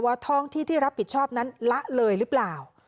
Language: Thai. ท้องที่ที่รับผิดชอบนั้นละเลยหรือเปล่า